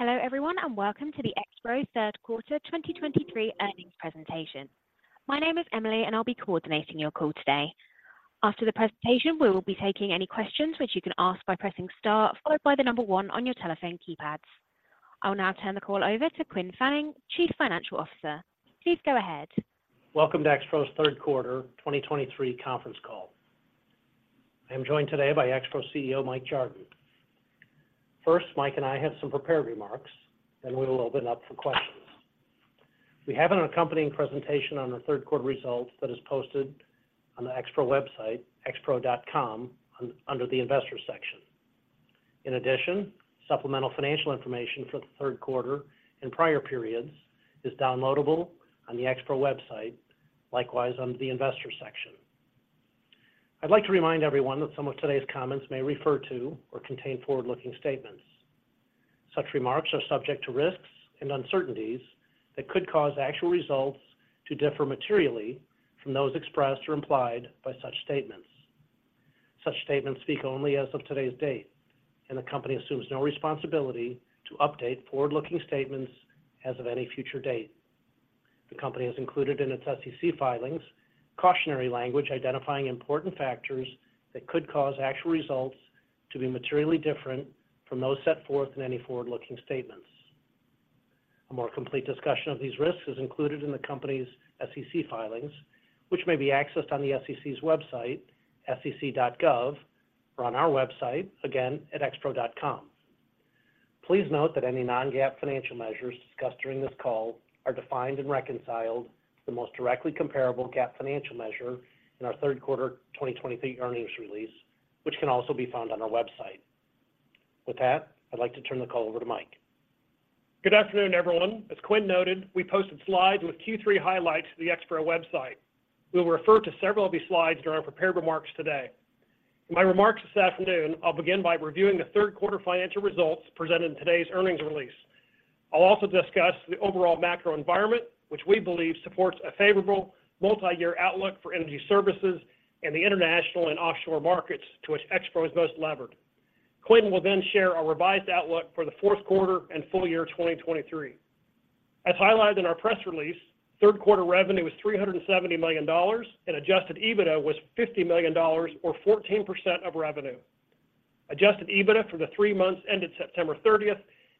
Hello, everyone, and welcome to the Expro third quarter 2023 earnings presentation. My name is Emily, and I'll be coordinating your call today. After the presentation, we will be taking any questions which you can ask by pressing star, followed by the number one on your telephone keypads. I will now turn the call over to Quinn Fanning, Chief Financial Officer. Please go ahead. Welcome to Expro's third quarter 2023 conference call. I am joined today by Expro CEO, Mike Jardon. First, Mike and I have some prepared remarks, then we will open up for questions. We have an accompanying presentation on the third quarter results that is posted on the Expro website, expro.com, under the Investors section. In addition, supplemental financial information for the third quarter and prior periods is downloadable on the Expro website, likewise, under the Investors section. I'd like to remind everyone that some of today's comments may refer to or contain forward-looking statements. Such remarks are subject to risks and uncertainties that could cause actual results to differ materially from those expressed or implied by such statements. Such statements speak only as of today's date, and the Company assumes no responsibility to update forward-looking statements as of any future date. The Company has included in its SEC filings, cautionary language identifying important factors that could cause actual results to be materially different from those set forth in any forward-looking statements. A more complete discussion of these risks is included in the Company's SEC filings, which may be accessed on the SEC's website, sec.gov, or on our website, again, at expro.com. Please note that any non-GAAP financial measures discussed during this call are defined and reconciled to the most directly comparable GAAP financial measure in our third quarter 2023 earnings release, which can also be found on our website. With that, I'd like to turn the call over to Mike. Good afternoon, everyone. As Quinn noted, we posted slides with Q3 highlights to the Expro website. We will refer to several of these slides during our prepared remarks today. In my remarks this afternoon, I'll begin by reviewing the third quarter financial results presented in today's earnings release. I'll also discuss the overall macro environment, which we believe supports a favorable multi-year outlook for energy services in the international and offshore markets to which Expro is most levered. Quinn will then share our revised outlook for the fourth quarter and full year 2023. As highlighted in our press release, third quarter revenue was $370 million, and adjusted EBITDA was $50 million or 14% of revenue. Adjusted EBITDA for the three months ended September 30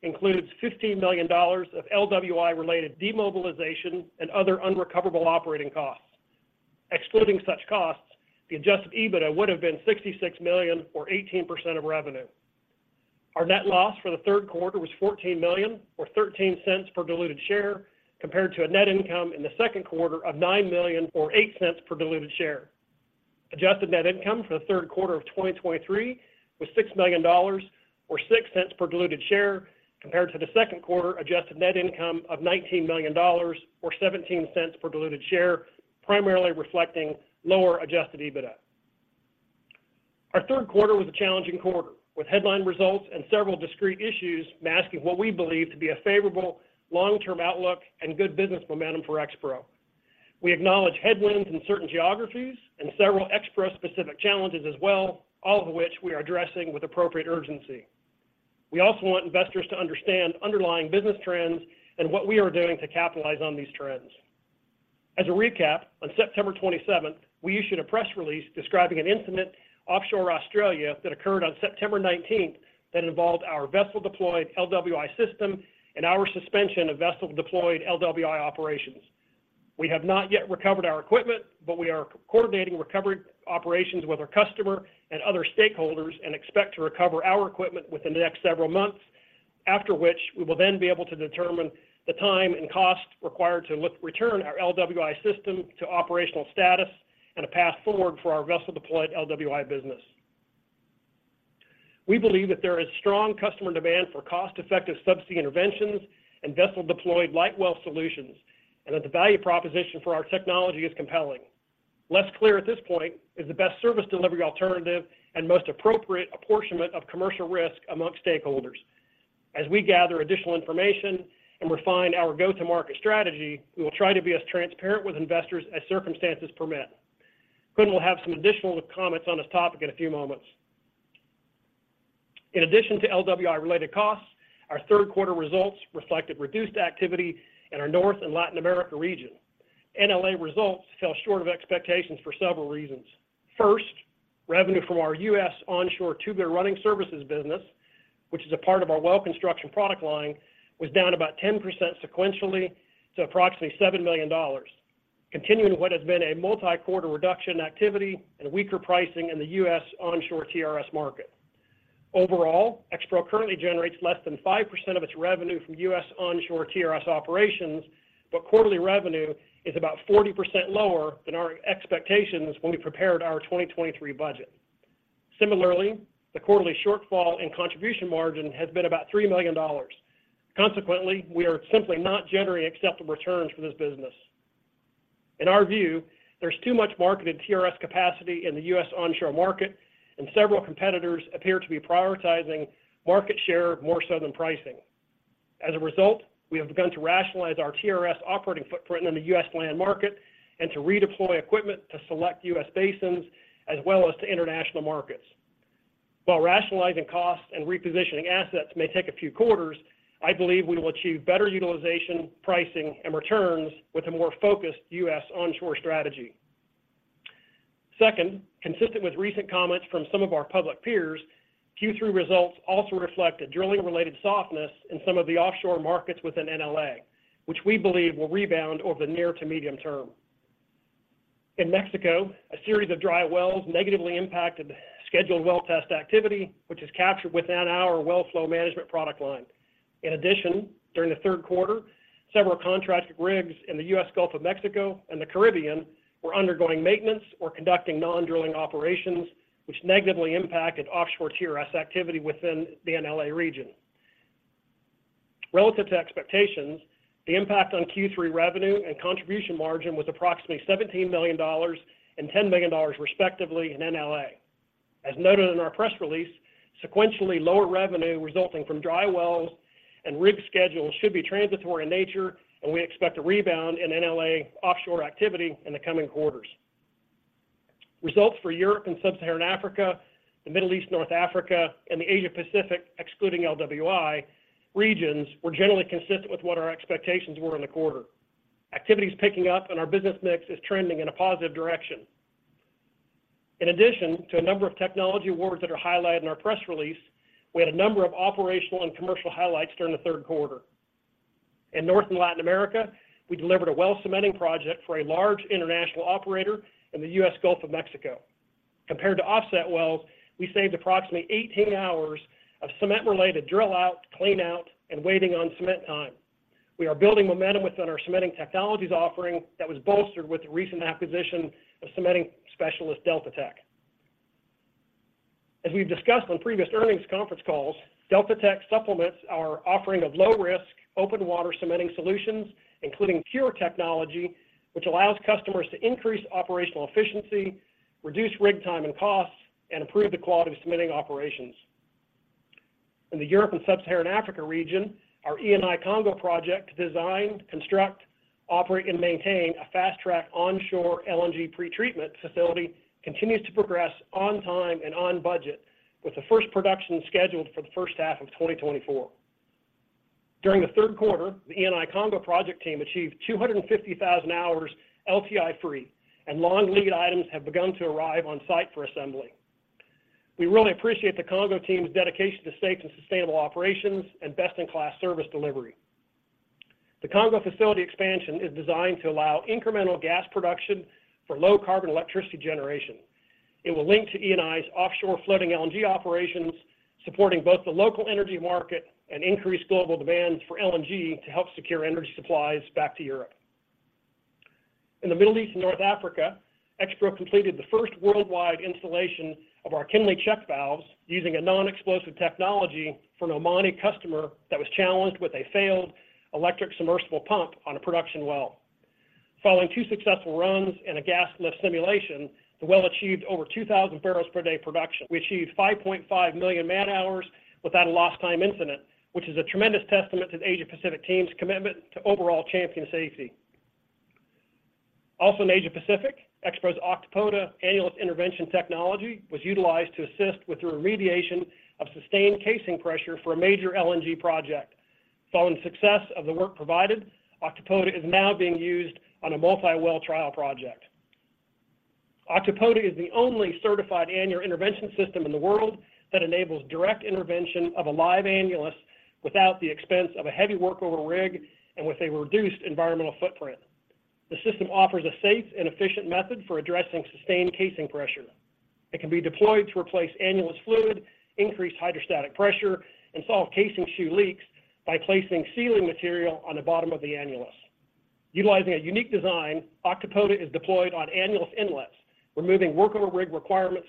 includes $15 million of LWI-related demobilization and other unrecoverable operating costs. Excluding such costs, the adjusted EBITDA would have been $66 million or 18% of revenue. Our net loss for the third quarter was $14 million or 13 cents per diluted share, compared to a net income in the second quarter of $9 million or 8 cents per diluted share. Adjusted net income for the third quarter of 2023 was $6 million or 6 cents per diluted share, compared to the second quarter adjusted net income of $19 million or 17 cents per diluted share, primarily reflecting lower adjusted EBITDA. Our third quarter was a challenging quarter, with headline results and several discrete issues masking what we believe to be a favorable long-term outlook and good business momentum for Expro. We acknowledge headwinds in certain geographies and several Expro-specific challenges as well, all of which we are addressing with appropriate urgency. We also want investors to understand underlying business trends and what we are doing to capitalize on these trends. As a recap, on September 27th, we issued a press release describing an incident offshore Australia that occurred on September 19th that involved our vessel-deployed LWI system and our suspension of vessel-deployed LWI operations. We have not yet recovered our equipment, but we are coordinating recovery operations with our customer and other stakeholders and expect to recover our equipment within the next several months, after which we will then be able to determine the time and cost required to return our LWI system to operational status and a path forward for our vessel-deployed LWI business. We believe that there is strong customer demand for cost-effective subsea interventions and vessel-deployed light well solutions, and that the value proposition for our technology is compelling. Less clear at this point is the best service delivery alternative and most appropriate apportionment of commercial risk amongst stakeholders. As we gather additional information and refine our go-to-market strategy, we will try to be as transparent with investors as circumstances permit. Quinn will have some additional comments on this topic in a few moments. In addition to LWI-related costs, our third quarter results reflected reduced activity in our North and Latin America region. NLA results fell short of expectations for several reasons. First, revenue from our U.S. onshore tubular running services business, which is a part of our well construction product line, was down about 10% sequentially to approximately $7 million, continuing what has been a multi-quarter reduction in activity and weaker pricing in the U.S. onshore TRS market. Overall, Expro currently generates less than 5% of its revenue from U.S. onshore TRS operations, but quarterly revenue is about 40% lower than our expectations when we prepared our 2023 budget. Similarly, the quarterly shortfall in contribution margin has been about $3 million. Consequently, we are simply not generating acceptable returns for this business. In our view, there's too much market in TRS capacity in the U.S. onshore market, and several competitors appear to be prioritizing market share more so than pricing. As a result, we have begun to rationalize our TRS operating footprint in the U.S. land market and to redeploy equipment to select U.S. basins as well as to international markets.... While rationalizing costs and repositioning assets may take a few quarters, I believe we will achieve better utilization, pricing, and returns with a more focused U.S. onshore strategy. Second, consistent with recent comments from some of our public peers, Q3 results also reflect a drilling-related softness in some of the offshore markets within NLA, which we believe will rebound over the near to medium term. In Mexico, a series of dry wells negatively impacted scheduled well test activity, which is captured within our well flow management product line. In addition, during the third quarter, several contracted rigs in the U.S. Gulf of Mexico and the Caribbean were undergoing maintenance or conducting non-drilling operations, which negatively impacted offshore TRS activity within the NLA region. Relative to expectations, the impact on Q3 revenue and contribution margin was approximately $17 million and $10 million, respectively, in NLA. As noted in our press release, sequentially lower revenue resulting from dry wells and rig schedules should be transitory in nature, and we expect a rebound in NLA offshore activity in the coming quarters. Results for Europe and Sub-Saharan Africa, the Middle East, North Africa, and the Asia-Pacific, excluding LWI regions, were generally consistent with what our expectations were in the quarter. Activity is picking up, and our business mix is trending in a positive direction. In addition to a number of technology awards that are highlighted in our press release, we had a number of operational and commercial highlights during the third quarter. In North and Latin America, we delivered a well cementing project for a large international operator in the U.S. Gulf of Mexico. Compared to offset wells, we saved approximately 18 hours of cement-related drill out, clean out, and waiting on cement time. We are building momentum within our cementing technologies offering that was bolstered with the recent acquisition of cementing specialist Delta Tech. As we've discussed on previous earnings conference calls, Delta Tech supplements our offering of low-risk, open water cementing solutions, including Cure Technologies, which allows customers to increase operational efficiency, reduce rig time and costs, and improve the quality of cementing operations. In the Europe and Sub-Saharan Africa region, our Eni Congo project designed, construct, operate, and maintain a fast-track onshore LNG pretreatment facility continues to progress on time and on budget, with the first production scheduled for the first half of 2024. During the third quarter, the Eni Congo project team achieved 250,000 hours LTI-free, and long lead items have begun to arrive on site for assembly. We really appreciate the Congo team's dedication to safe and sustainable operations and best-in-class service delivery. The Congo facility expansion is designed to allow incremental gas production for low carbon electricity generation. It will link to Eni's offshore floating LNG operations, supporting both the local energy market and increased global demand for LNG to help secure energy supplies back to Europe. In the Middle East and North Africa, Expro completed the first worldwide installation of our Kinley Check Valves using a non-explosive technology for an Omani customer that was challenged with a failed electric submersible pump on a production well. Following two successful runs and a gas lift simulation, the well achieved over 2,000 barrels per day production. We achieved 5.5 million man-hours without a lost time incident, which is a tremendous testament to the Asia-Pacific team's commitment to overall champion safety. Also in Asia-Pacific, Expro's Octopoda annulus intervention technology was utilized to assist with the remediation of sustained casing pressure for a major LNG project. Following success of the work provided, Octopoda is now being used on a multi-well trial project. Octopoda is the only certified annular intervention system in the world that enables direct intervention of a live annulus without the expense of a heavy workover rig and with a reduced environmental footprint. The system offers a safe and efficient method for addressing sustained casing pressure. It can be deployed to replace annulus fluid, increase hydrostatic pressure, and solve casing shoe leaks by placing sealing material on the bottom of the annulus. Utilizing a unique design, Octopoda is deployed on annulus inlets, removing workover rig requirements,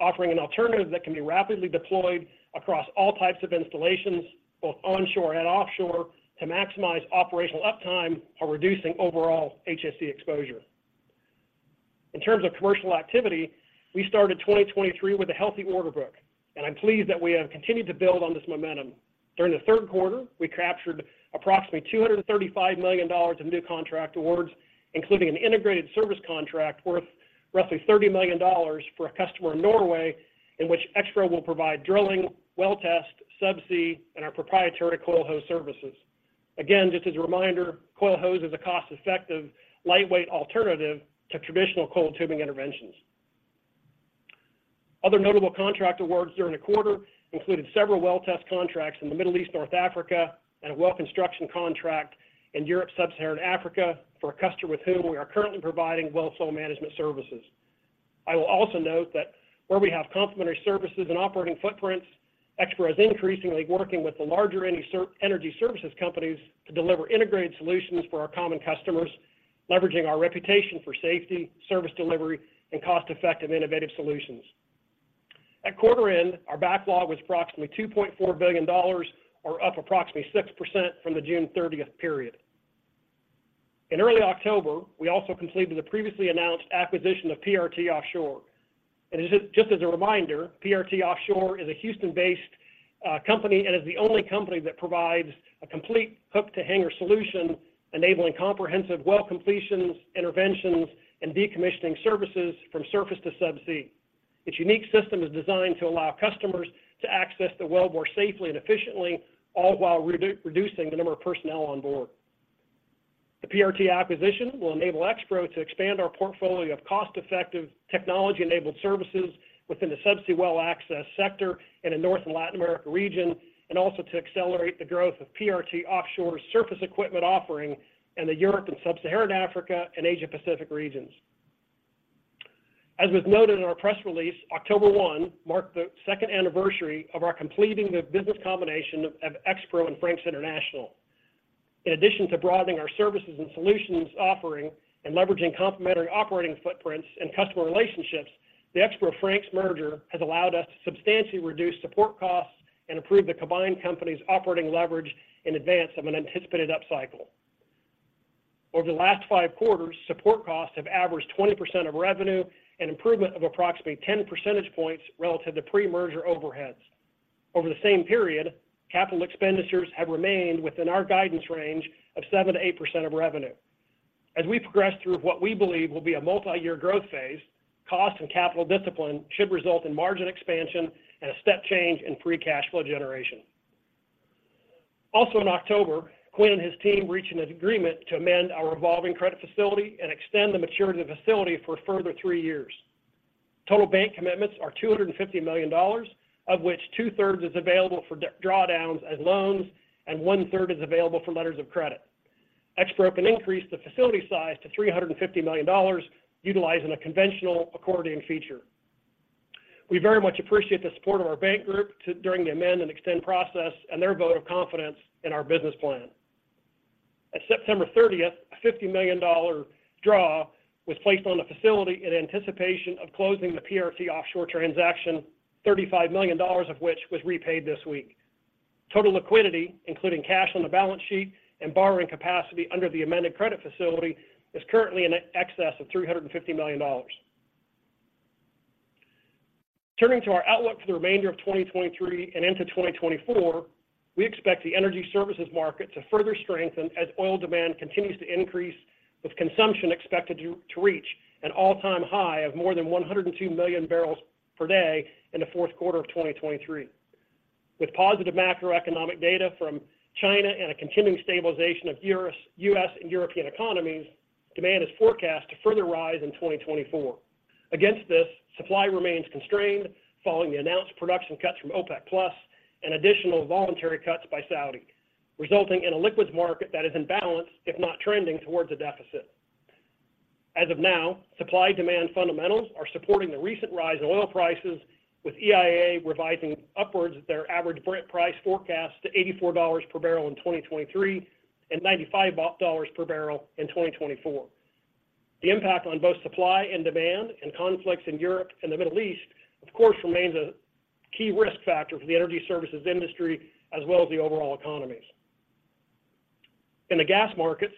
offering an alternative that can be rapidly deployed across all types of installations, both onshore and offshore, to maximize operational uptime while reducing overall HSE exposure. In terms of commercial activity, we started 2023 with a healthy order book, and I'm pleased that we have continued to build on this momentum. During the third quarter, we captured approximately $235 million of new contract awards, including an integrated service contract worth roughly $30 million for a customer in Norway, in which Expro will provide drilling, well test, subsea, and our proprietary CoilHose services. Again, just as a reminder, CoilHose is a cost-effective, lightweight alternative to traditional coiled tubing interventions. Other notable contract awards during the quarter included several well test contracts in the Middle East, North Africa, and a well construction contract in Europe, Sub-Saharan Africa, for a customer with whom we are currently providing well flow management services. I will also note that where we have complementary services and operating footprints, Expro is increasingly working with the larger energy services companies to deliver integrated solutions for our common customers, leveraging our reputation for safety, service delivery, and cost-effective, innovative solutions. At quarter end, our backlog was approximately $2.4 billion, or up approximately 6% from the June 30 period. In early October, we also completed the previously announced acquisition of PRT Offshore. And just as a reminder, PRT Offshore is a Houston-based-... The company is the only company that provides a complete Hook-to-Hanger solution, enabling comprehensive well completions, interventions, and decommissioning services from surface to subsea. Its unique system is designed to allow customers to access the well more safely and efficiently, all while reducing the number of personnel on board. The PRT acquisition will enable Expro to expand our portfolio of cost-effective, technology-enabled services within the subsea well access sector in the North and Latin America region, and also to accelerate the growth of PRT Offshore surface equipment offering in the Europe and Sub-Saharan Africa, and Asia-Pacific regions. As was noted in our press release, October 1 marked the second anniversary of our completing the business combination of Expro and Frank's International. In addition to broadening our services and solutions offering and leveraging complementary operating footprints and customer relationships, the Expro-Frank's merger has allowed us to substantially reduce support costs and improve the combined company's operating leverage in advance of an anticipated upcycle. Over the last five quarters, support costs have averaged 20% of revenue, an improvement of approximately 10 percentage points relative to pre-merger overheads. Over the same period, capital expenditures have remained within our guidance range of 7%-8% of revenue. As we progress through what we believe will be a multi-year growth phase, cost and capital discipline should result in margin expansion and a step change in free cash flow generation. Also in October, Quinn and his team reached an agreement to amend our revolving credit facility and extend the maturity of the facility for a further three years. Total bank commitments are $250 million, of which two-thirds is available for drawdowns as loans, and one-third is available for letters of credit. Expro can increase the facility size to $350 million, utilizing a conventional accordion feature. We very much appreciate the support of our bank group during the amend and extend process and their vote of confidence in our business plan. At September thirtieth, a $50 million draw was placed on the facility in anticipation of closing the PRT Offshore transaction, $35 million of which was repaid this week. Total liquidity, including cash on the balance sheet and borrowing capacity under the amended credit facility, is currently in excess of $350 million. Turning to our outlook for the remainder of 2023 and into 2024, we expect the energy services market to further strengthen as oil demand continues to increase, with consumption expected to, to reach an all-time high of more than 102 million barrels per day in the fourth quarter of 2023. With positive macroeconomic data from China and a continuing stabilization of U.S. and European economies, demand is forecast to further rise in 2024. Against this, supply remains constrained, following the announced production cuts from OPEC Plus and additional voluntary cuts by Saudi, resulting in a liquids market that is in balance, if not trending towards a deficit. As of now, supply-demand fundamentals are supporting the recent rise in oil prices, with EIA revising upwards their average Brent price forecast to $84 per barrel in 2023, and $95 per barrel in 2024. The impact on both supply and demand and conflicts in Europe and the Middle East, of course, remains a key risk factor for the energy services industry, as well as the overall economies. In the gas markets,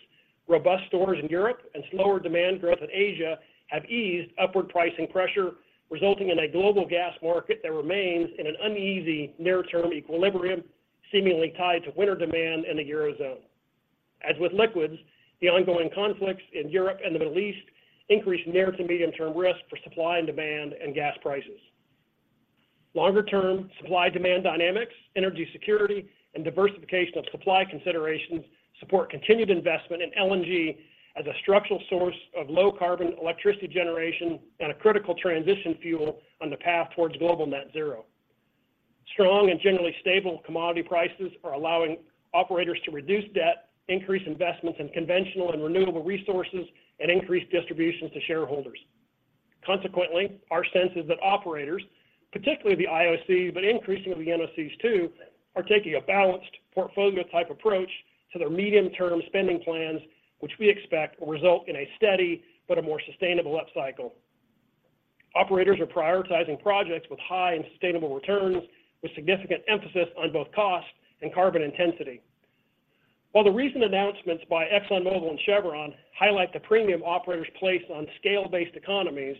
robust stores in Europe and slower demand growth in Asia have eased upward pricing pressure, resulting in a global gas market that remains in an uneasy near-term equilibrium, seemingly tied to winter demand in the Eurozone. As with liquids, the ongoing conflicts in Europe and the Middle East increase near to medium-term risk for supply and demand and gas prices. Longer-term, supply-demand dynamics, energy security, and diversification of supply considerations support continued investment in LNG as a structural source of low-carbon electricity generation and a critical transition fuel on the path towards global net zero. Strong and generally stable commodity prices are allowing operators to reduce debt, increase investments in conventional and renewable resources, and increase distributions to shareholders. Consequently, our sense is that operators, particularly the IOC, but increasingly the NOCs too, are taking a balanced portfolio-type approach to their medium-term spending plans, which we expect will result in a steady but a more sustainable upcycle. Operators are prioritizing projects with high and sustainable returns, with significant emphasis on both cost and carbon intensity. While the recent announcements by ExxonMobil and Chevron highlight the premium operators place on scale-based economies,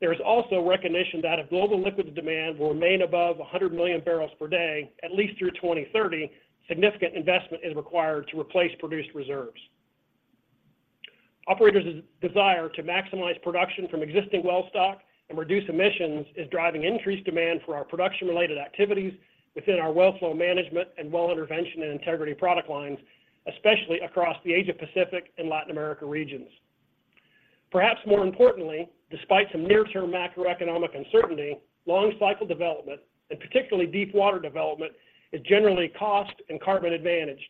there is also recognition that if global liquids demand will remain above 100 million barrels per day, at least through 2030, significant investment is required to replace produced reserves. Operators' desire to maximize production from existing well stock and reduce emissions is driving increased demand for our production-related activities within our well flow management and well intervention and integrity product lines, especially across the Asia-Pacific and Latin America regions. Perhaps more importantly, despite some near-term macroeconomic uncertainty, long cycle development, and particularly deepwater development, is generally cost and carbon advantage,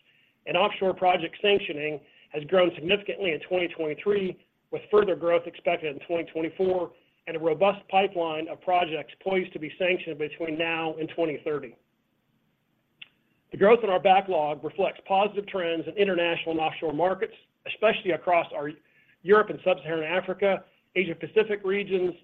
and offshore project sanctioning has grown significantly in 2023, with further growth expected in 2024, and a robust pipeline of projects poised to be sanctioned between now and 2030. The growth in our backlog reflects positive trends in international and offshore markets, especially across our Europe and Sub-Saharan Africa, Asia-Pacific regions,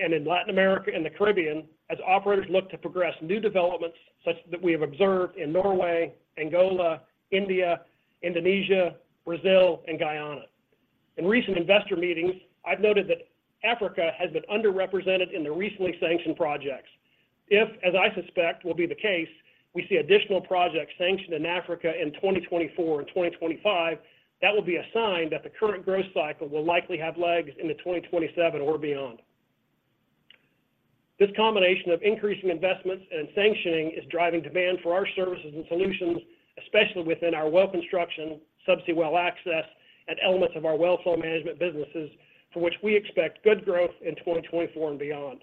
and in Latin America and the Caribbean, as operators look to progress new developments such as we have observed in Norway, Angola, India, Indonesia, Brazil, and Guyana. In recent investor meetings, I've noted that Africa has been underrepresented in the recently sanctioned projects. If, as I suspect, it will be the case, we see additional projects sanctioned in Africa in 2024 and 2025, that will be a sign that the current growth cycle will likely have legs into 2027 or beyond. This combination of increasing investments and sanctioning is driving demand for our services and solutions, especially within our well construction, subsea well access, and elements of our well flow management businesses, for which we expect good growth in 2024 and beyond.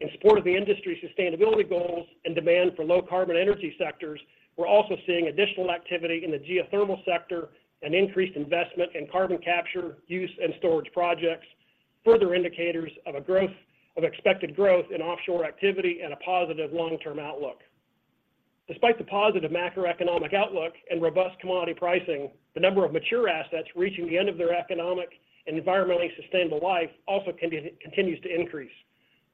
In support of the industry's sustainability goals and demand for low-carbon energy sectors, we're also seeing additional activity in the geothermal sector and increased investment in carbon capture, use, and storage projects, further indicators of expected growth in offshore activity and a positive long-term outlook. Despite the positive macroeconomic outlook and robust commodity pricing, the number of mature assets reaching the end of their economic and environmentally sustainable life also continues to increase.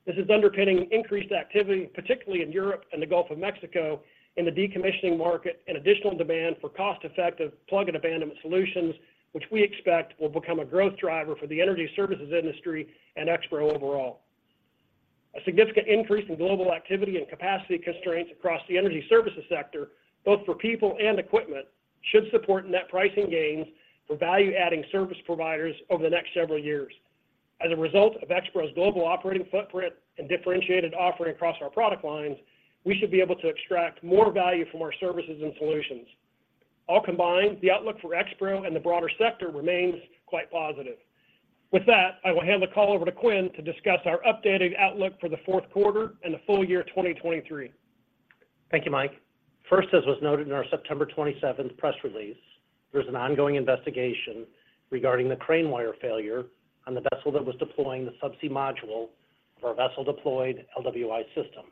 This is underpinning increased activity, particularly in Europe and the Gulf of Mexico, in the decommissioning market and additional demand for cost-effective plug and abandonment solutions, which we expect will become a growth driver for the energy services industry and Expro overall. A significant increase in global activity and capacity constraints across the energy services sector, both for people and equipment, should support net pricing gains for value-adding service providers over the next several years. As a result of Expro's global operating footprint and differentiated offering across our product lines, we should be able to extract more value from our services and solutions. All combined, the outlook for Expro and the broader sector remains quite positive. With that, I will hand the call over to Quinn to discuss our updated outlook for the fourth quarter and the full year 2023. Thank you, Mike. First, as was noted in our September 27th press release, there's an ongoing investigation regarding the crane wire failure on the vessel that was deploying the subsea module for our vessel-deployed LWI system.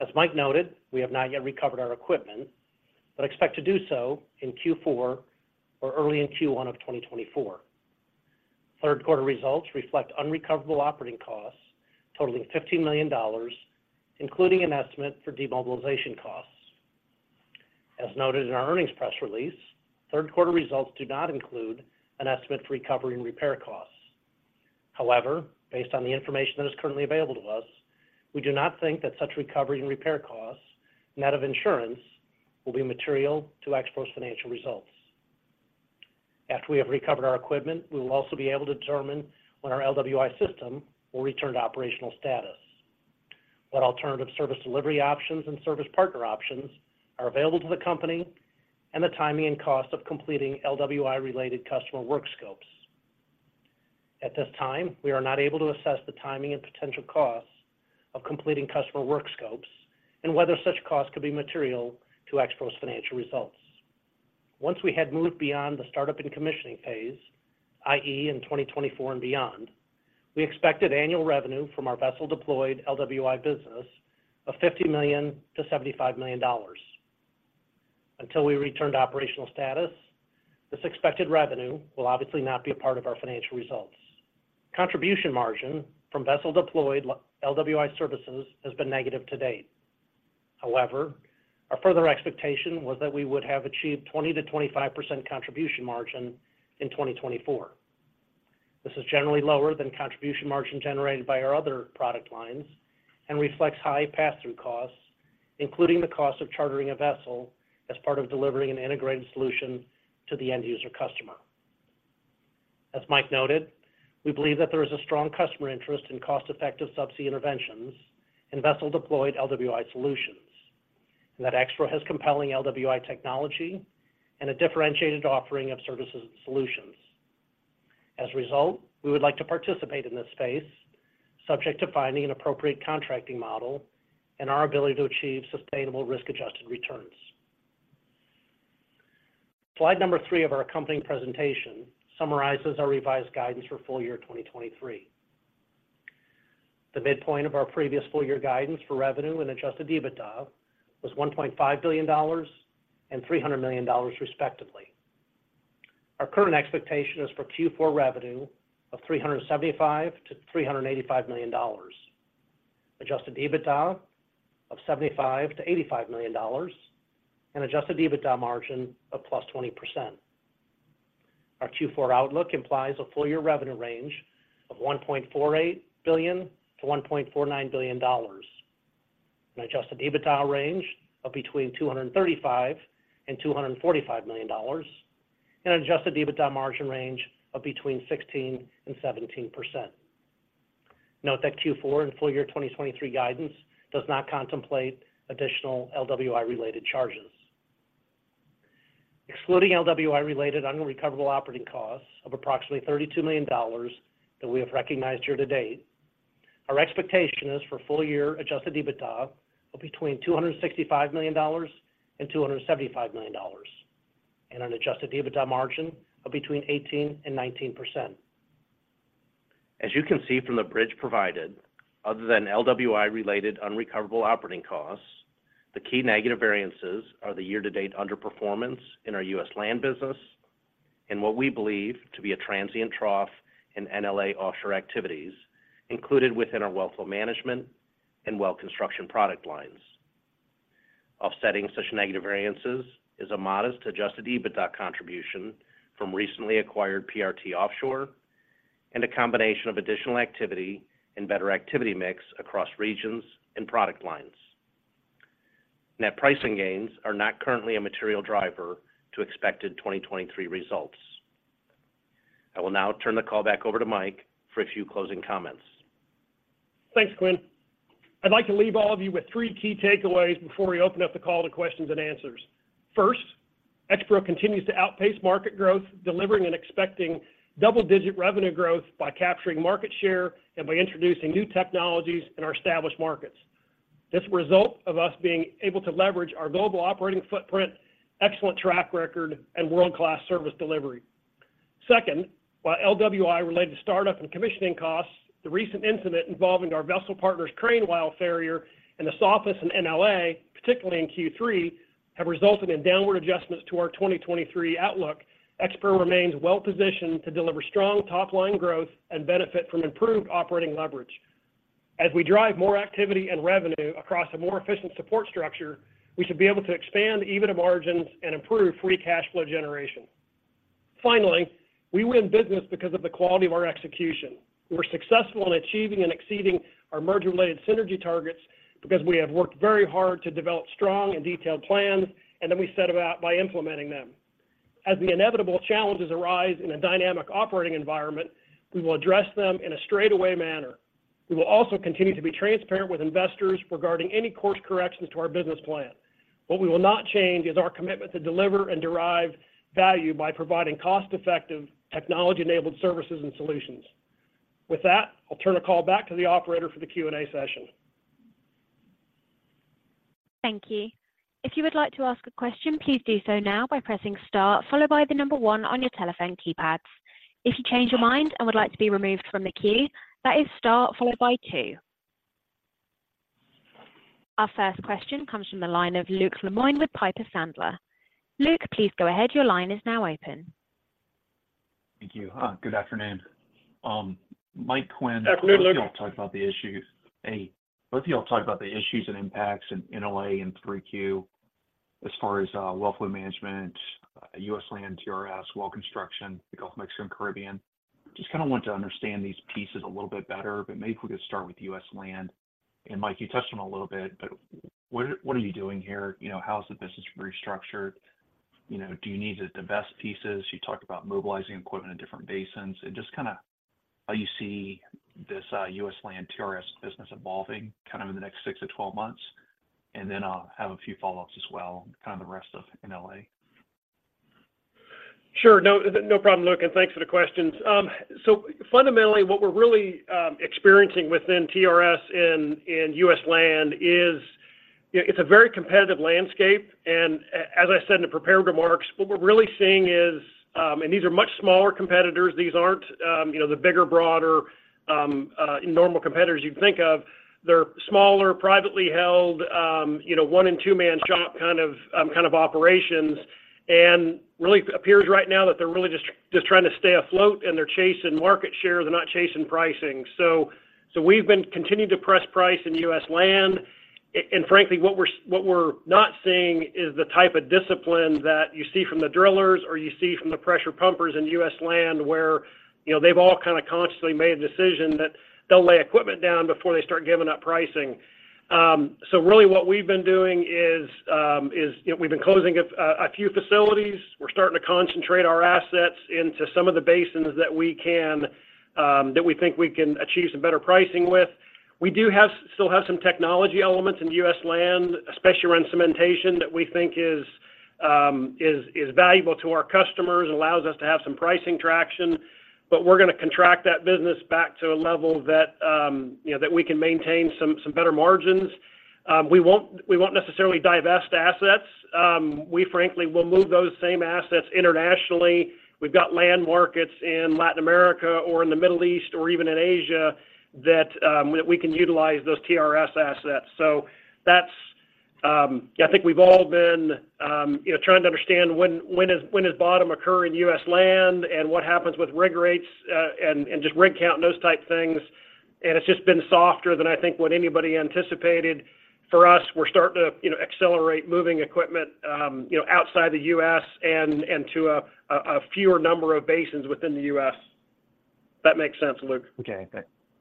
As Mike noted, we have not yet recovered our equipment, but expect to do so in Q4 or early in Q1 of 2024. Third quarter results reflect unrecoverable operating costs totaling $50 million, including an estimate for demobilization costs. As noted in our earnings press release, third quarter results do not include an estimate for recovery and repair costs. However, based on the information that is currently available to us, we do not think that such recovery and repair costs, net of insurance, will be material to Expro's financial results. After we have recovered our equipment, we will also be able to determine when our LWI system will return to operational status, what alternative service delivery options and service partner options are available to the company, and the timing and cost of completing LWI-related customer work scopes. At this time, we are not able to assess the timing and potential costs of completing customer work scopes and whether such costs could be material to Expro's financial results. Once we had moved beyond the startup and commissioning phase, i.e., in 2024 and beyond, we expected annual revenue from our vessel-deployed LWI business of $50 million-$75 million. Until we return to operational status, this expected revenue will obviously not be a part of our financial results. Contribution margin from vessel-deployed LWI services has been negative to date. However, our further expectation was that we would have achieved 20%-25% contribution margin in 2024. This is generally lower than contribution margin generated by our other product lines and reflects high pass-through costs, including the cost of chartering a vessel as part of delivering an integrated solution to the end user customer. As Mike noted, we believe that there is a strong customer interest in cost-effective subsea interventions and vessel-deployed LWI solutions, and that Expro has compelling LWI technology and a differentiated offering of services and solutions. As a result, we would like to participate in this space, subject to finding an appropriate contracting model and our ability to achieve sustainable risk-adjusted returns. Slide three of our accompanying presentation summarizes our revised guidance for full year 2023. The midpoint of our previous full year guidance for revenue and adjusted EBITDA was $1.5 billion and $300 million, respectively. Our current expectation is for Q4 revenue of $375 million-$385 million, adjusted EBITDA of $75 million-$85 million, and adjusted EBITDA margin of +20%. Our Q4 outlook implies a full year revenue range of $1.48 billion-$1.49 billion, an adjusted EBITDA range of between $235 million and $245 million, and an adjusted EBITDA margin range of between 16% and 17%. Note that Q4 and full year 2023 guidance does not contemplate additional LWI-related charges. Excluding LWI-related unrecoverable operating costs of approximately $32 million that we have recognized year to date, our expectation is for full year Adjusted EBITDA of between $265 million and $275 million, and an Adjusted EBITDA margin of between 18% and 19%. As you can see from the bridge provided, other than LWI-related unrecoverable operating costs, the key negative variances are the year-to-date underperformance in our U.S. land business and what we believe to be a transient trough in NLA offshore activities, included within our well flow management and well construction product lines. Offsetting such negative variances is a modest Adjusted EBITDA contribution from recently acquired PRT Offshore, and a combination of additional activity and better activity mix across regions and product lines. Net pricing gains are not currently a material driver to expected 2023 results. I will now turn the call back over to Mike for a few closing comments. Thanks, Quinn. I'd like to leave all of you with three key takeaways before we open up the call to questions and answers. First, Expro continues to outpace market growth, delivering and expecting double-digit revenue growth by capturing market share and by introducing new technologies in our established markets. This result of us being able to leverage our global operating footprint, excellent track record, and world-class service delivery. Second, while LWI-related startup and commissioning costs, the recent incident involving our vessel partners, crane wire failure, and the softness in NLA, particularly in Q3, have resulted in downward adjustments to our 2023 outlook. Expro remains well positioned to deliver strong top-line growth and benefit from improved operating leverage. As we drive more activity and revenue across a more efficient support structure, we should be able to expand EBITDA margins and improve free cash flow generation. Finally, we win business because of the quality of our execution. We're successful in achieving and exceeding our merger-related synergy targets because we have worked very hard to develop strong and detailed plans, and then we set about by implementing them. As the inevitable challenges arise in a dynamic operating environment, we will address them in a straightaway manner. We will also continue to be transparent with investors regarding any course corrections to our business plan. What we will not change is our commitment to deliver and derive value by providing cost-effective, technology-enabled services and solutions. With that, I'll turn the call back to the operator for the Q&A session. Thank you. If you would like to ask a question, please do so now by pressing star, followed by the number one on your telephone keypads. If you change your mind and would like to be removed from the queue, that is star followed by two. Our first question comes from the line of Luke Lemoine with Piper Sandler. Luke, please go ahead. Your line is now open. Thank you. Good afternoon. Mike, Quinn- Afternoon, Luke. Both of you all talked about the issues. Hey, both of you all talked about the issues and impacts in NLA in 3Q as far as well flow management, U.S. land, TRS, well construction, the Gulf of Mexico, and Caribbean. Just kind of want to understand these pieces a little bit better, but maybe we could start with U.S. land. And Mike, you touched on a little bit, but what, what are you doing here? You know, how is the business restructured? You know, do you need to divest pieces? You talked about mobilizing equipment in different basins, and just kind of how you see this U.S. land TRS business evolving kind of in the next 6-12 months. And then I'll have a few follow-ups as well, kind of the rest of NLA. Sure. No, no problem, Luke, and thanks for the questions. So fundamentally, what we're really experiencing within TRS in U.S. land is, you know, it's a very competitive landscape. And as I said in the prepared remarks, what we're really seeing is, and these are much smaller competitors. These aren't, you know, the bigger, broader normal competitors you'd think of. They're smaller, privately held, you know, one- and two-man shop kind of kind of operations, and really appears right now that they're really just trying to stay afloat, and they're chasing market share, they're not chasing pricing. So we've been continuing to press price in U.S. land. And frankly, what we're not seeing is the type of discipline that you see from the drillers or you see from the pressure pumpers in U.S. land, where, you know, they've all kind of consciously made a decision that they'll lay equipment down before they start giving up pricing. So really what we've been doing is, you know, we've been closing a few facilities. We're starting to concentrate our assets into some of the basins that we can, that we think we can achieve some better pricing with. We do have, still have some technology elements in U.S. land, especially around cementation, that we think is valuable to our customers, allows us to have some pricing traction, but we're gonna contract that business back to a level that, you know, that we can maintain some better margins. We won't necessarily divest assets. We frankly will move those same assets internationally. We've got land markets in Latin America or in the Middle East, or even in Asia, that we can utilize those TRS assets. So that's... I think we've all been, you know, trying to understand when does bottom occur in U.S. land, and what happens with rig rates, and just rig count and those type things. And it's just been softer than I think what anybody anticipated. For us, we're starting to, you know, accelerate moving equipment, you know, outside the U.S. and to a fewer number of basins within the U.S. Does that make sense, Luke? Okay,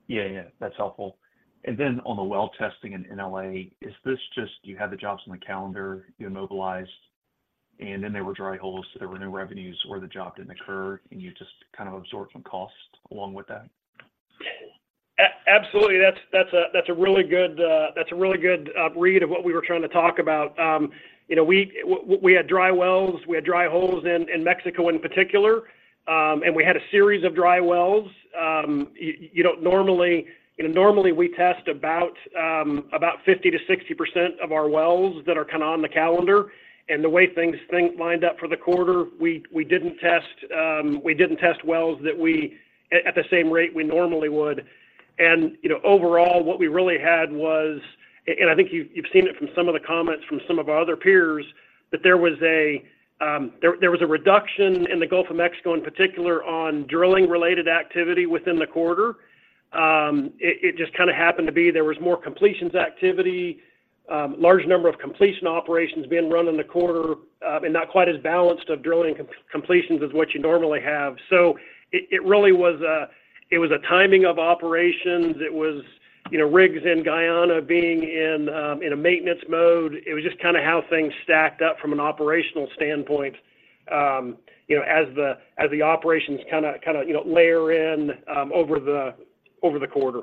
yeah, that's helpful. Then on the well testing in NLA, is this just you had the jobs on the calendar, you mobilized, and then there were dry holes, so there were no revenues, or the job didn't occur, and you just kind of absorbed some costs along with that? Absolutely. That's a really good read of what we were trying to talk about. You know, we had dry wells, we had dry holes in Mexico in particular, and we had a series of dry wells. You know, normally we test about 50%-60% of our wells that are kind of on the calendar. And the way things lined up for the quarter, we didn't test wells at the same rate we normally would. And, you know, overall, what we really had was, and I think you've seen it from some of the comments from some of our other peers,... There was a reduction in the Gulf of Mexico, in particular, on drilling-related activity within the quarter. It just kind of happened to be there was more completions activity, a large number of completion operations being run in the quarter, and not quite as balanced of drilling completions as what you normally have. It really was a timing of operations. It was, you know, rigs in Guyana being in maintenance mode. It was just kind of how things stacked up from an operational standpoint, you know, as the operations kind of, kind of, you know, layer in over the quarter.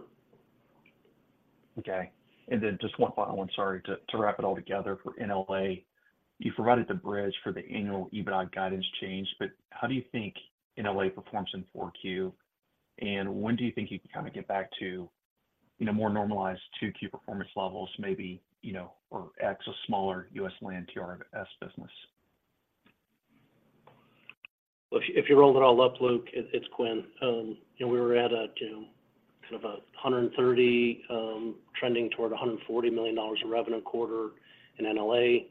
Okay. And then just one final one, sorry, to, to wrap it all together for NLA. You provided the bridge for the annual Adjusted EBITDA guidance change, but how do you think NLA performs in Q4? And when do you think you can kind of get back to, you know, more normalized two-tier performance levels, maybe, you know, or X or smaller U.S. land TRS business? Well, if you roll it all up, Luke, it's Quinn. You know, we were at a, you know, kind of a $130, trending toward a $140 million dollars in revenue quarter in NLA.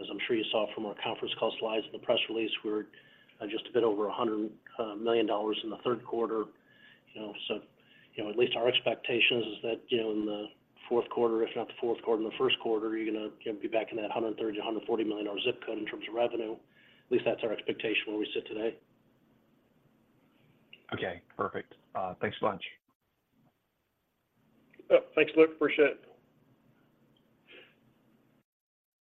As I'm sure you saw from our conference call slides in the press release, we're just a bit over a $100, million dollars in the third quarter. You know, so, you know, at least our expectations is that, you know, in the fourth quarter, if not the fourth quarter, in the first quarter, you're going to be back in that $130-$140 million dollar zip code in terms of revenue. At least that's our expectation where we sit today. Okay, perfect. Thanks a bunch. Thanks, Luke. Appreciate it.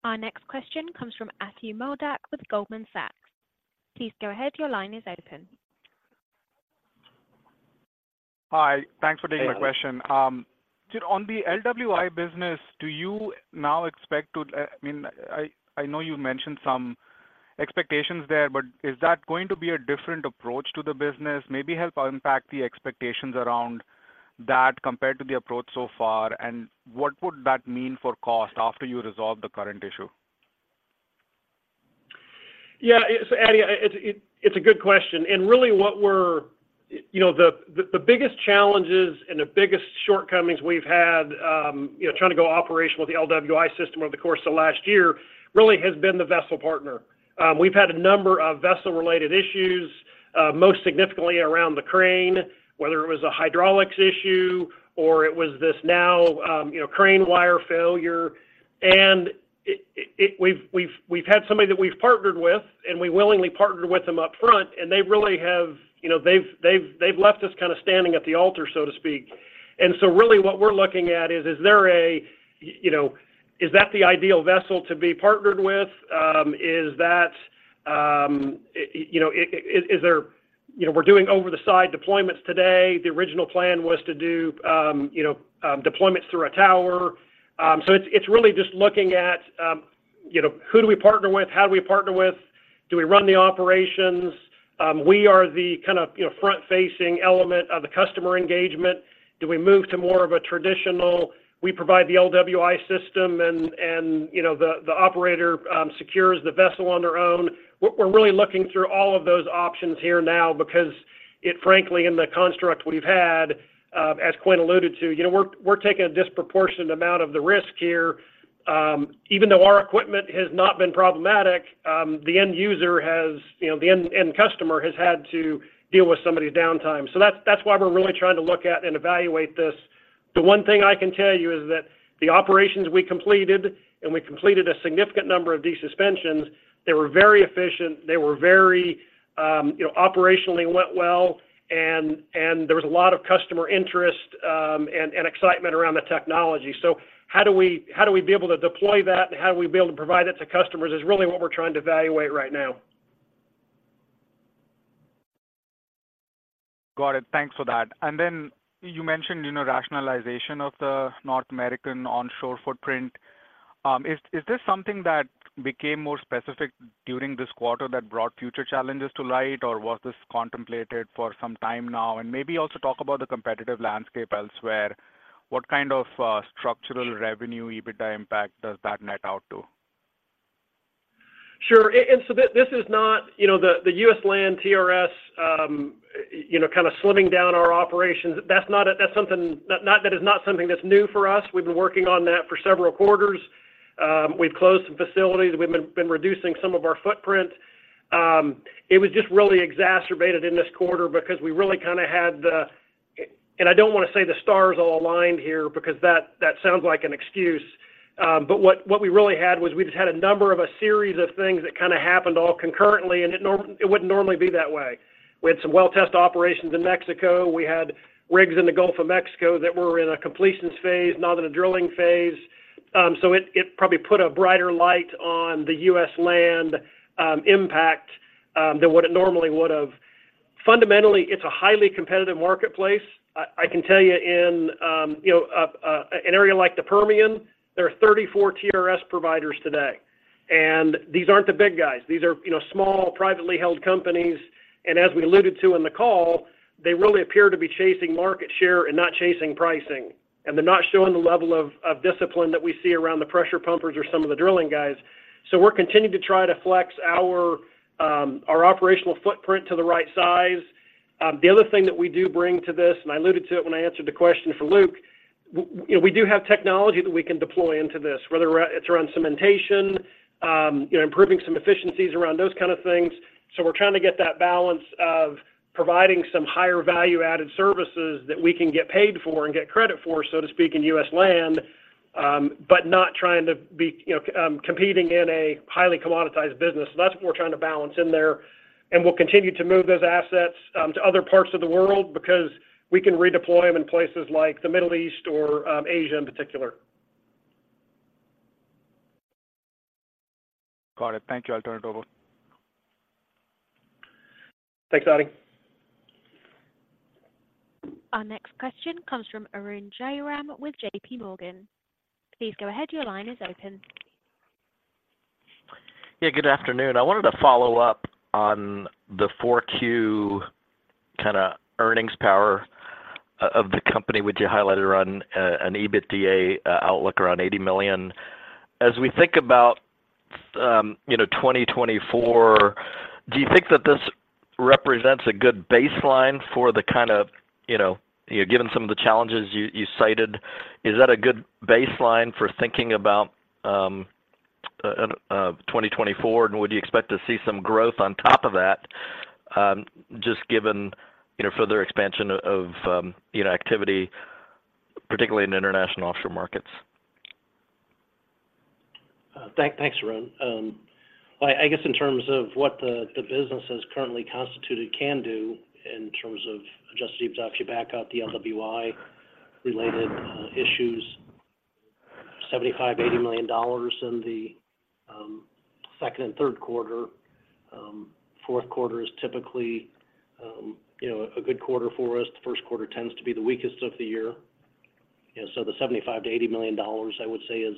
Our next question comes from Ati Modak with Goldman Sachs. Please go ahead. Your line is open. Hi, thanks for taking my question. Hey. So on the LWI business, do you now expect to, I mean, I know you mentioned some expectations there, but is that going to be a different approach to the business? Maybe help unpack the expectations around that compared to the approach so far, and what would that mean for cost after you resolve the current issue? Yeah, so Ati, it's a good question. And really, what we're, you know, the biggest challenges and the biggest shortcomings we've had, you know, trying to go operational with the LWI system over the course of last year really has been the vessel partner. We've had a number of vessel-related issues, most significantly around the crane, whether it was a hydraulics issue or it was this now, you know, crane wire failure. And it, we've had somebody that we've partnered with, and we willingly partnered with them upfront, and they really have, you know, they've left us kind of standing at the altar, so to speak. And so really what we're looking at is, is there a, you know, is that the ideal vessel to be partnered with? Is there... You know, we're doing over the side deployments today. The original plan was to do, you know, deployments through a tower. So it's really just looking at, you know, who do we partner with? How do we partner with? Do we run the operations? We are the kind of, you know, front-facing element of the customer engagement. Do we move to more of a traditional, we provide the LWI system, and, and, you know, the, the operator, secures the vessel on their own? We're really looking through all of those options here now because it frankly, in the construct we've had, as Quinn alluded to, you know, we're taking a disproportionate amount of the risk here. Even though our equipment has not been problematic, the end user has, you know, the end end customer has had to deal with somebody's downtime. So that's, that's why we're really trying to look at and evaluate this. The one thing I can tell you is that the operations we completed, and we completed a significant number of desuspensions, they were very efficient, they were very, you know, operationally went well, and, and there was a lot of customer interest, and, and excitement around the technology. So how do we, how do we be able to deploy that, and how do we be able to provide it to customers is really what we're trying to evaluate right now. Got it. Thanks for that. And then you mentioned, you know, rationalization of the North American onshore footprint. Is this something that became more specific during this quarter that brought future challenges to light, or was this contemplated for some time now? And maybe also talk about the competitive landscape elsewhere. What kind of structural revenue, EBITDA impact does that net out to? Sure. This is not, you know, the U.S. land TRS, you know, kind of slimming down our operations. That's not something-- That is not something that's new for us. We've been working on that for several quarters. We've closed some facilities. We've been reducing some of our footprint. It was just really exacerbated in this quarter because we really kind of had the... I don't want to say the stars all aligned here because that sounds like an excuse, but what we really had was we just had a number of a series of things that kind of happened all concurrently, and it wouldn't normally be that way. We had some well test operations in Mexico. We had rigs in the Gulf of Mexico that were in a completions phase, not in a drilling phase. So it, it probably put a brighter light on the U.S. land, impact, than what it normally would have. Fundamentally, it's a highly competitive marketplace. I, I can tell you in, you know, an area like the Permian, there are 34 TRS providers today, and these aren't the big guys. These are, you know, small, privately held companies. And as we alluded to in the call, they really appear to be chasing market share and not chasing pricing, and they're not showing the level of discipline that we see around the pressure pumpers or some of the drilling guys. So we're continuing to try to flex our operational footprint to the right size. The other thing that we do bring to this, and I alluded to it when I answered the question for Luke, you know, we do have technology that we can deploy into this, whether it's around cementation, you know, improving some efficiencies around those kind of things. So we're trying to get that balance of providing some higher value-added services that we can get paid for and get credit for, so to speak, in U.S. land, but not trying to be, you know, competing in a highly commoditized business. So that's what we're trying to balance in there, and we'll continue to move those assets to other parts of the world because we can redeploy them in places like the Middle East or Asia in particular. Got it. Thank you. I'll turn it over. Thanks, Ati. Our next question comes from Arun Jayaram with J.P. Morgan. Please go ahead, your line is open. Yeah, good afternoon. I wanted to follow up on the Q4 kind of earnings power of the company, which you highlighted on an EBITDA outlook around $80 million. As we think about, you know, 2024, do you think that this represents a good baseline for the kind of... You know, you know, given some of the challenges you cited, is that a good baseline for thinking about 2024? And would you expect to see some growth on top of that, just given, you know, further expansion of, you know, activity, particularly in international offshore markets? Thanks, Arun. Well, I guess in terms of what the business as currently constituted can do in terms of Adjusted EBITDA, if you back out the LWI-related issues, $75-$80 million in the second and third quarter. Fourth quarter is typically, you know, a good quarter for us. The first quarter tends to be the weakest of the year. You know, so the $75-$80 million, I would say, is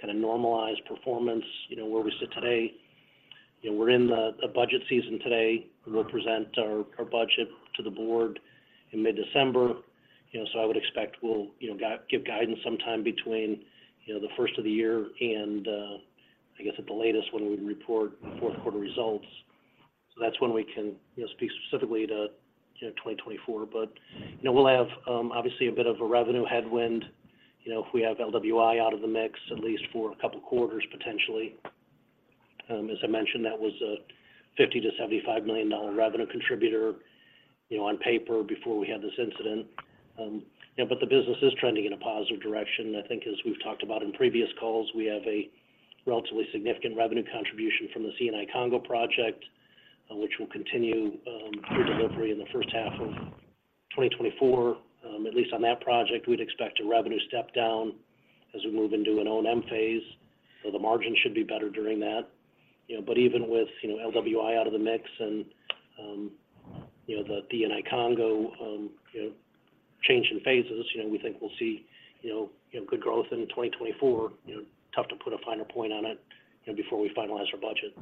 kind of normalized performance, you know, where we sit today. You know, we're in the budget season today. We'll present our budget to the board in mid-December. You know, so I would expect we'll, you know, give guidance sometime between, you know, the first of the year and, I guess, at the latest, when we report fourth quarter results. So that's when we can, you know, speak specifically to, you know, 2024. But, you know, we'll have obviously a bit of a revenue headwind, you know, if we have LWI out of the mix, at least for a couple quarters, potentially. As I mentioned, that was a $50-$75 million revenue contributor, you know, on paper before we had this incident. You know, but the business is trending in a positive direction. I think, as we've talked about in previous calls, we have a relatively significant revenue contribution from the Eni Congo project, which will continue through delivery in the first half of 2024. At least on that project, we'd expect a revenue step down as we move into an O&M phase, so the margin should be better during that. You know, but even with, you know, LWI out of the mix and, you know, the Eni Congo, you know, change in phases, you know, we think we'll see, you know, you know, good growth in 2024. You know, tough to put a finer point on it, you know, before we finalize our budget.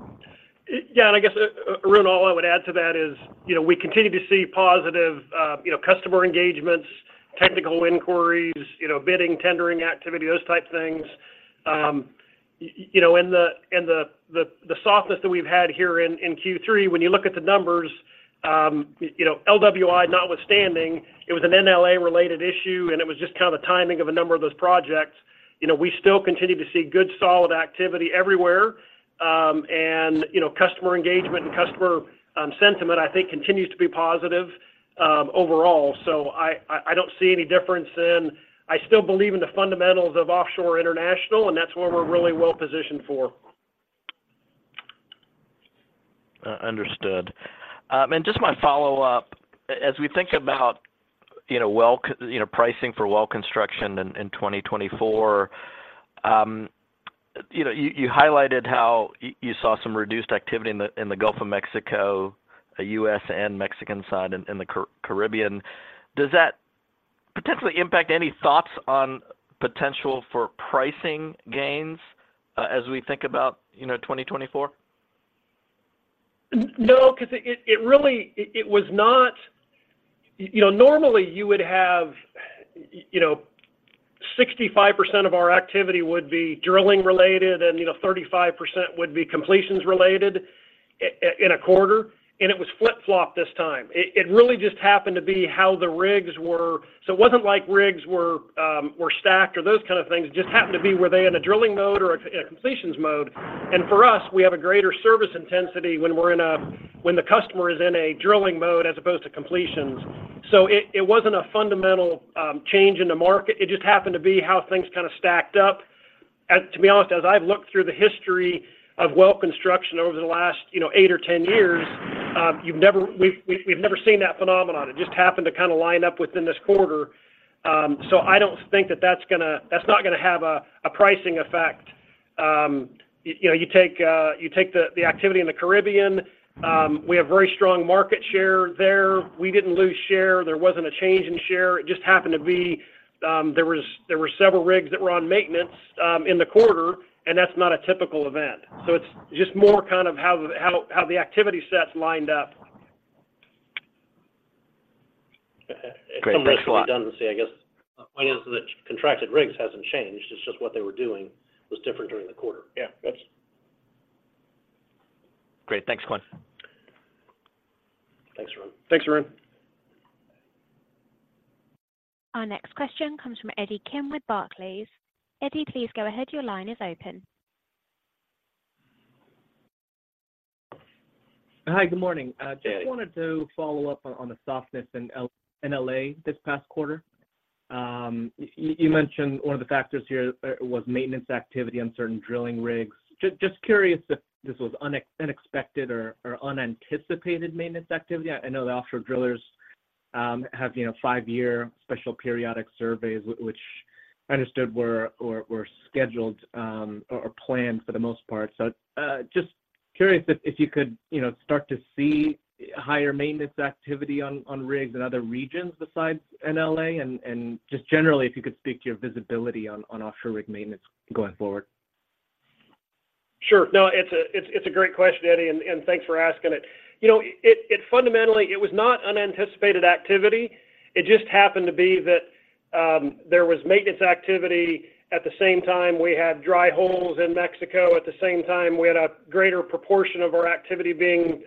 Yeah, and I guess, Arun, all I would add to that is, you know, we continue to see positive, you know, customer engagements, technical inquiries, you know, bidding, tendering activity, those type of things. You know, and the softness that we've had here in Q3, when you look at the numbers, you know, LWI notwithstanding, it was an NLA-related issue, and it was just kind of the timing of a number of those projects. You know, we still continue to see good, solid activity everywhere. And, you know, customer engagement and customer sentiment, I think, continues to be positive, overall. So I don't see any difference in... I still believe in the fundamentals of offshore international, and that's where we're really well positioned for. Understood. And just my follow-up: as we think about, you know, well, you know, pricing for well construction in, in 2024, you know, you, you highlighted how you saw some reduced activity in the, in the Gulf of Mexico, U.S. and Mexican side, and in the Caribbean. Does that potentially impact any thoughts on potential for pricing gains, as we think about, you know, 2024? No, 'cause it really. It was not. You know, normally you would have, you know, 65% of our activity would be drilling-related, and, you know, 35% would be completions-related in a quarter, and it was flip-flopped this time. It really just happened to be how the rigs were. So it wasn't like rigs were stacked or those kind of things. It just happened to be, were they in a drilling mode or in a completions mode? And for us, we have a greater service intensity when we're in a-- when the customer is in a drilling mode as opposed to completions. So it wasn't a fundamental change in the market. It just happened to be how things kind of stacked up. To be honest, as I've looked through the history of well construction over the last, you know, 8 or 10 years, we've never seen that phenomenon. It just happened to kind of line up within this quarter. So I don't think that that's gonna that's not gonna have a pricing effect. You know, you take the activity in the Caribbean, we have very strong market share there. We didn't lose share. There wasn't a change in share. It just happened to be, there were several rigs that were on maintenance in the quarter, and that's not a typical event. So it's just more kind of how the activity sets lined up. Okay. Great. Thanks a lot. Some redundancy, I guess. The point is that contracted rigs hasn't changed. It's just what they were doing was different during the quarter. Yeah, oops. Great. Thanks, Quinn. .Thanks, Arun. Our next question comes from Eddie Kim with Barclays. Eddie, please go ahead. Your line is open. Hi, good morning. Eddie. Just wanted to follow up on the softness in NLA this past quarter. You mentioned one of the factors here was maintenance activity on certain drilling rigs. Just curious if this was unexpected or unanticipated maintenance activity. I know the offshore drillers have, you know, 5-year special periodic surveys, which I understood were, or were scheduled or planned for the most part. So, just curious if you could start to see higher maintenance activity on rigs in other regions besides NLA? And just generally, if you could speak to your visibility on offshore rig maintenance going forward. Sure. No, it's a great question, Eddie, and thanks for asking it. You know, fundamentally, it was not unanticipated activity. It just happened to be that there was maintenance activity at the same time we had dry holes in Mexico, at the same time we had a greater proportion of our activity being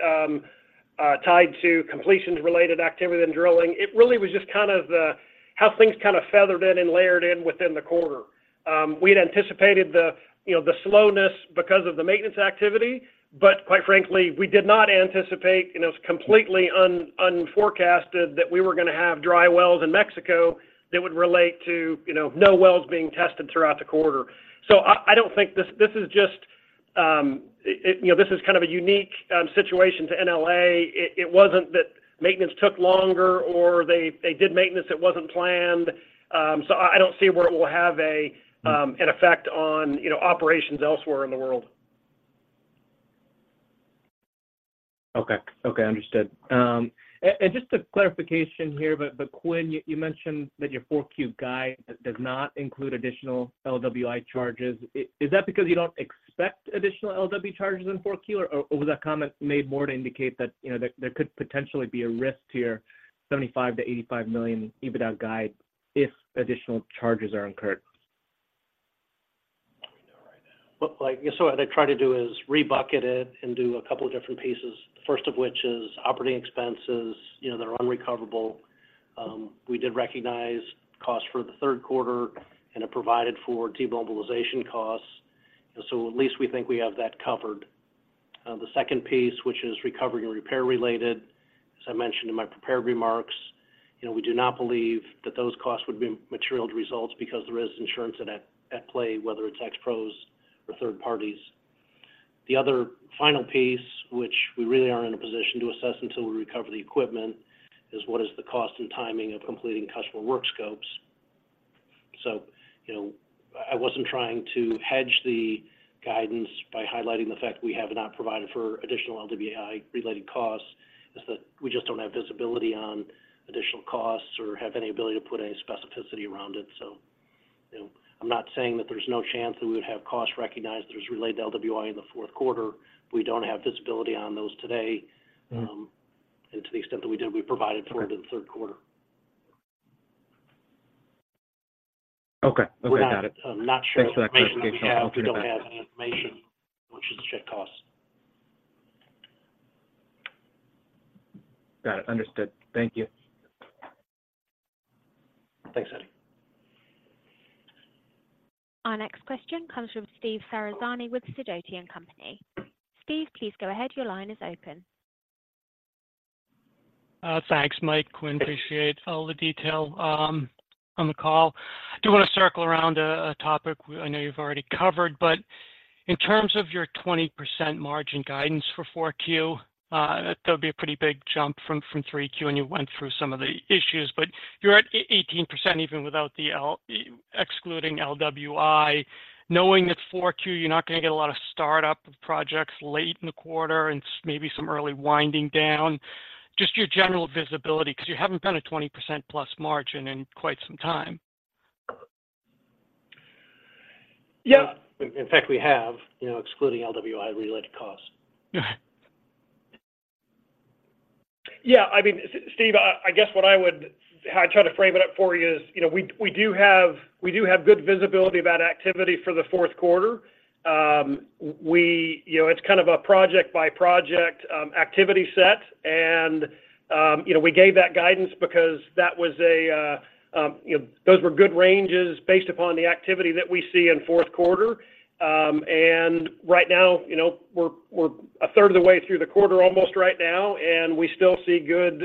tied to completions-related activity than drilling. It really was just kind of the how things kind of feathered in and layered in within the quarter. We'd anticipated the, you know, the slowness because of the maintenance activity, but quite frankly, we did not anticipate, and it was completely unforecasted that we were gonna have dry wells in Mexico that would relate to, you know, no wells being tested throughout the quarter. So I don't think this... This is just it, you know, this is kind of a unique situation to NLA. It wasn't that maintenance took longer or they did maintenance that wasn't planned. So I don't see where it will have an effect on, you know, operations elsewhere in the world. Okay. Okay, understood. And just a clarification here, but Quinn, you mentioned that your 4Q guide does not include additional LWI charges. Is that because you don't expect additional LW charges in 4Q, or was that comment made more to indicate that, you know, that there could potentially be a risk to your $75 million-$85 million EBITDA guide if additional charges are incurred? ... Let me know right now. Look like, so what I tried to do is rebucket it and do a couple different pieces. First of which is operating expenses, you know, that are unrecoverable. We did recognize costs for the third quarter, and it provided for demobilization costs, and so at least we think we have that covered. The second piece, which is recovery and repair-related, as I mentioned in my prepared remarks, you know, we do not believe that those costs would be material to results because there is insurance in play, whether it's Expro's or third parties. The other final piece, which we really aren't in a position to assess until we recover the equipment, is what is the cost and timing of completing customer work scopes? So, you know, I wasn't trying to hedge the guidance by highlighting the fact we have not provided for additional LWI-related costs. It's that we just don't have visibility on additional costs or have any ability to put any specificity around it. So, you know, I'm not saying that there's no chance that we would have costs recognized that is related to LWI in the fourth quarter. We don't have visibility on those today. Mm-hmm. And to the extent that we did, we provided for it- Okay In the third quarter. Okay. Okay, got it. We're not, I'm not sure- Thanks for that clarification. We have, we don't have any information, which is the ship cost. Got it. Understood. Thank you. Thanks, Eddie. Our next question comes from Steve Ferazani with Sidoti & Company. Steve, please go ahead. Your line is open. Thanks, Mike, Quinn, appreciate all the detail on the call. I do want to circle around a topic I know you've already covered, but in terms of your 20% margin guidance for 4Q, that'll be a pretty big jump from 3Q, and you went through some of the issues. But you're at 18%, even without the LTI, excluding LWI. Knowing that 4Q, you're not gonna get a lot of startup of projects late in the quarter and maybe some early winding down, just your general visibility, because you haven't been a 20% plus margin in quite some time. Yeah. In fact, we have, you know, excluding LWI-related costs. Yeah. Yeah, I mean, Steve, I guess what I would... how I try to frame it up for you is, you know, we do have good visibility about activity for the fourth quarter. We know, it's kind of a project-by-project activity set, and you know, we gave that guidance because that was, you know, those were good ranges based upon the activity that we see in fourth quarter. And right now, you know, we're a third of the way through the quarter, almost right now, and we still see good,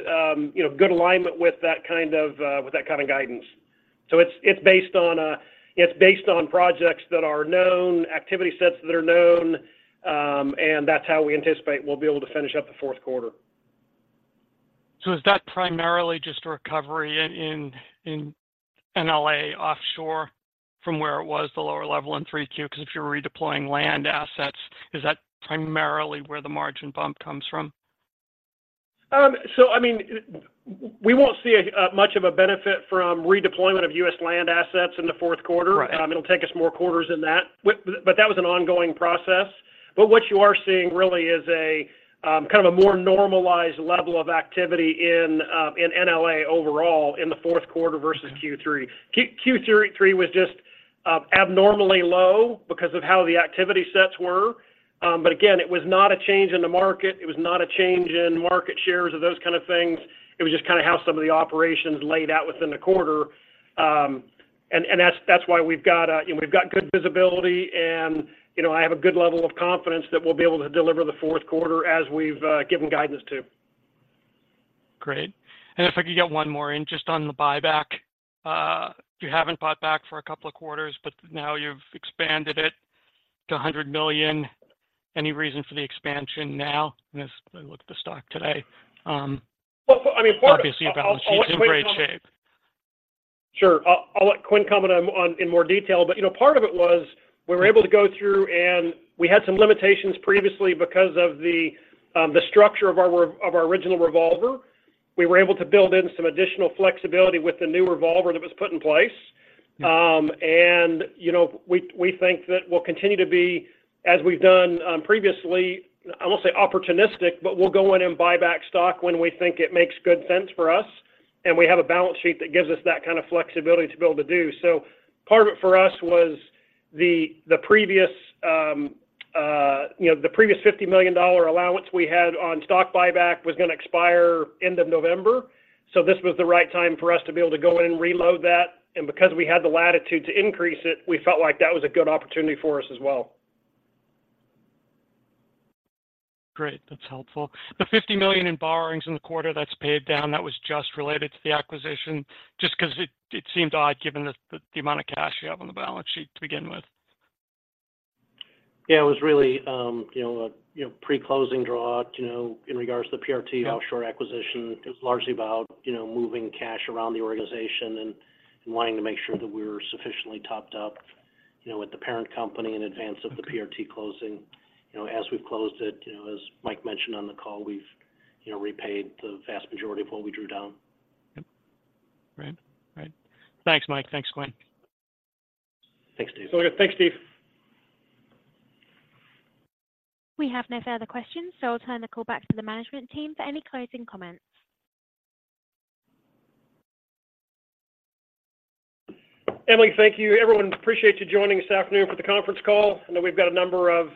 you know, good alignment with that kind of, with that kind of guidance. It's based on projects that are known, activity sets that are known, and that's how we anticipate we'll be able to finish up the fourth quarter. So is that primarily just a recovery in NLA offshore from where it was, the lower level in 3Q? Because if you're redeploying land assets, is that primarily where the margin bump comes from? So I mean, we won't see much of a benefit from redeployment of U.S. land assets in the fourth quarter. Right. It'll take us more quarters than that. What you are seeing really is a kind of a more normalized level of activity in NLA overall in the fourth quarter versus Q3. Q3 was just- ... abnormally low because of how the activity sets were. But again, it was not a change in the market, it was not a change in market shares or those kind of things. It was just kind of how some of the operations laid out within the quarter. And that's why we've got – you know, we've got good visibility, and, you know, I have a good level of confidence that we'll be able to deliver the fourth quarter as we've given guidance to. Great. If I could get one more in, just on the buyback. You haven't bought back for a couple of quarters, but now you've expanded it to $100 million. Any reason for the expansion now? As I look at the stock today, Well, well, I mean, part of- Obviously, your balance sheet's in great shape. Sure. I'll let Quinn comment on in more detail, but, you know, part of it was we were able to go through, and we had some limitations previously because of the structure of our original revolver. We were able to build in some additional flexibility with the new revolver that was put in place. And, you know, we, we think that we'll continue to be, as we've done, previously, I won't say opportunistic, but we'll go in and buy back stock when we think it makes good sense for us. And we have a balance sheet that gives us that kind of flexibility to be able to do. So, part of it for us was the, the previous, you know, the previous $50 million allowance we had on stock buyback was gonna expire end of November. So this was the right time for us to be able to go in and reload that. And because we had the latitude to increase it, we felt like that was a good opportunity for us as well. Great, that's helpful. The $50 million in borrowings in the quarter, that's paid down, that was just related to the acquisition? Just 'cause it seemed odd, given the amount of cash you have on the balance sheet to begin with. Yeah, it was really, you know, a, you know, pre-closing draw, you know, in regards to the PRT- Yeah Offshore acquisition. It was largely about, you know, moving cash around the organization and wanting to make sure that we were sufficiently topped up, you know, with the parent company in advance of the PRT closing. You know, as we've closed it, you know, as Mike mentioned on the call, we've, you know, repaid the vast majority of what we drew down. Yep. Great. All right. Thanks, Mike. Thanks, Quinn. Thanks, Steve. Okay. Thanks, Steve. We have no further questions, so I'll turn the call back to the management team for any closing comments. Emily, thank you. Everyone, appreciate you joining us this afternoon for the conference call. I know we've got a number of,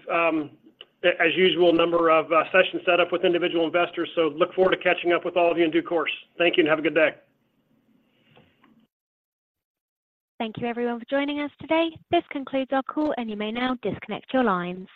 as usual, number of sessions set up with individual investors, so look forward to catching up with all of you in due course. Thank you, and have a good day. Thank you, everyone, for joining us today. This concludes our call, and you may now disconnect your lines.